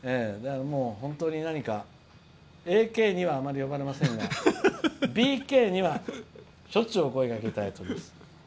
本当にＡＫにはあまり呼ばれませんがＢＫにはしょっちゅうお声がけいただいてます。